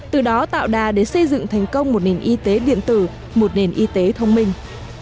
từ đó tạo đà để xây dựng thành công một nền y tế điện tử một nền y tế thông minh